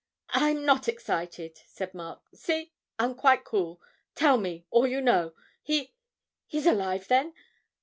'I'm not excited,' said Mark; 'see I'm quite cool ... tell me all you know. He he's alive then